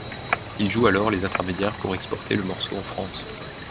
Il joue alors les intermédiaires pour exporter le morceau en France.